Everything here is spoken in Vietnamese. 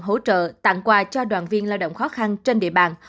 hỗ trợ tặng quà cho đoàn viên lao động khó khăn trên địa bàn